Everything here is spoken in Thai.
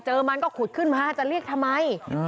มันก็ขุดขึ้นมาจะเรียกทำไม